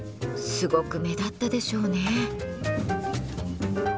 すごく目立ったでしょうね。